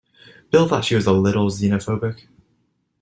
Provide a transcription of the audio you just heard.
Bill thought she was a little xenophobic.